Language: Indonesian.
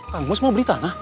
kang mus mau beli tanah